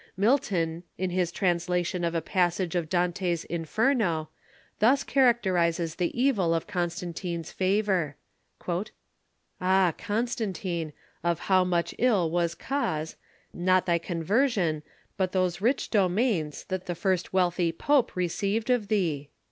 Milton, in his translation of a passage of Dante's " Inferno," thus character izes the evil of Constantine's favor : "Ah, Constantine, of how much ill was cause, Not thy conversion, but those rich demains That the tirst wealthy pope received of thee